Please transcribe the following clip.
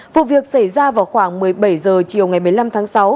vụ việc xảy ra vào khoảng một mươi bảy h chiều ngày một mươi năm tháng sáu